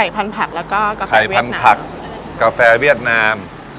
ปากหม้อแล้วก็ไข่ผันผักแล้วก็กะเทียวเวียดนามไข่ผัน